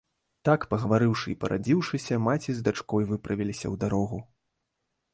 Так пагаварыўшы і парадзіўшыся, маці з дачкой выправіліся ў дарогу.